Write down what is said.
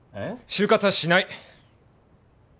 就活はしない！